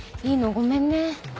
ごめんね。